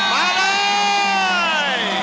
มาเลย